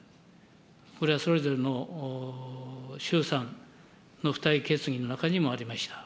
これはそれぞれの衆参の付帯決議の中にもありました。